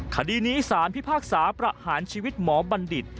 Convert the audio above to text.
คดีนี้สารพิพากษาประหารชีวิตหมอบัณฑิต